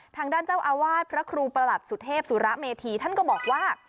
ทางด้านเจ้าอาวาสพระครูประหลัดสุเทพสุระเมธีท่านก็บอกว่า